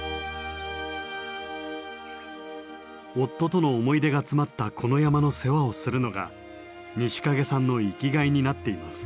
夫との思い出が詰まったこの山の世話をするのが西蔭さんの生きがいになっています。